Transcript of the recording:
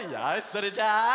それじゃあ。